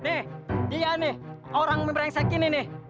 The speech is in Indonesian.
nih dia nih orang merengsek ini nih